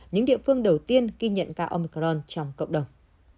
những địa phương đầu tiên ghi nhận ca âmron trong cộng đồng